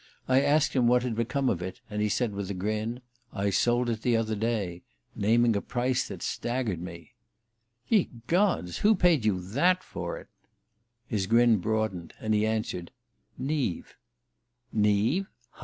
I asked him what had become of it, and he said with a grin: "I sold it the other day," naming a price that staggered me. "Ye gods! Who paid you that for it?" His grin broadened, and he answered: "Neave." "_ Neave?